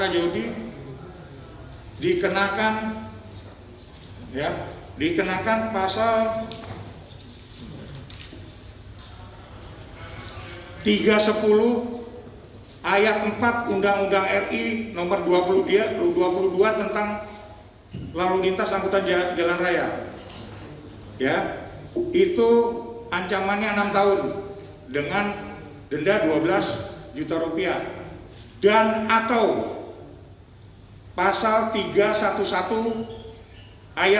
jangan lupa like share dan subscribe ya